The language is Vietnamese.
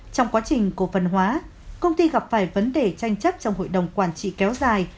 trong quá trình cổ phần hóa công ty gặp phải vấn đề tranh chấp trong hội đồng quản trị kéo dài